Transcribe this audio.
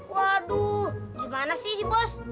waduh gimana sih bos